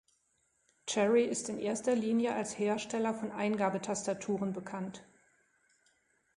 Cherry ist in erster Linie als Hersteller von Eingabe-Tastaturen bekannt.